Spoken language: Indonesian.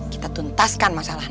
kita tuntaskan masalah